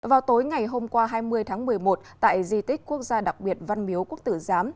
vào tối ngày hôm qua hai mươi tháng một mươi một tại di tích quốc gia đặc biệt văn miếu quốc tử giám